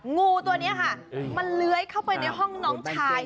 งูตัวนี้ค่ะมันเลื้อยเข้าไปในห้องน้องชาย